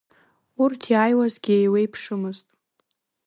Урҭ иааиуазгьы еиуеиԥшымызт.